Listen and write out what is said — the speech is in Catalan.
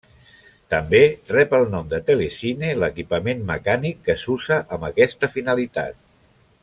També rep el nom de telecine l'equipament mecànic que s'usa amb aquesta finalitat.